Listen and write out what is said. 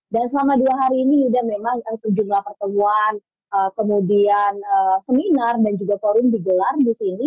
dan selama dua hari ini yuda memang sejumlah pertemuan kemudian seminar dan juga forum digelar di sini